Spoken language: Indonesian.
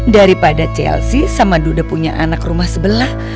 daripada chelsea sama duda punya anak rumah sebelah